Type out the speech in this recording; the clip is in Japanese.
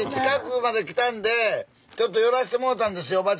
近くまで来たんでちょっと寄らせてもうたんですよ